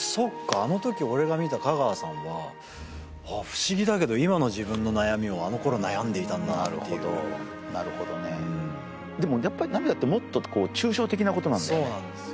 あのとき俺が見た香川さんは不思議だけど今の自分の悩みをあの頃悩んでいたんだなっていうなるほどなるほどねでもやっぱり涙ってもっと抽象的なことなんだよねそうなんですよね